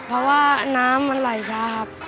เพราะว่าน้ำมันไหลช้าครับ